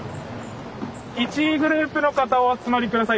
１グループの方お集まり下さい。